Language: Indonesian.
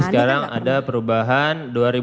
sekarang ada perubahan dua ribu delapan